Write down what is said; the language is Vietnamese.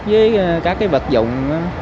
với các vật dụng